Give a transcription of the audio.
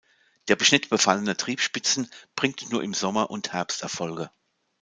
Der Beschnitt befallener Triebspitzen bringt nur im Sommer und Herbst Erfolge.